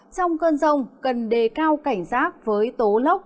trong cơn rông cần đề cao cảnh rác